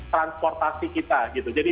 transportasi kita jadi